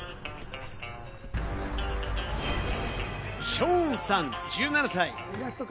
ショーンさん、１７歳。